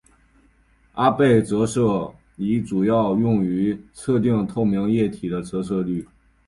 阿贝折射仪主要用于测定透明液体的折射率。